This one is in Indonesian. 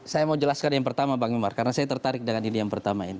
saya mau jelaskan yang pertama bang imar karena saya tertarik dengan ide yang pertama ini